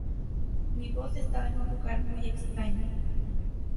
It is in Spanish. Mi voz estaba en un lugar muy extraño".